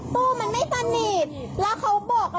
ฮนะเนอะน้องค้าโอเคนะ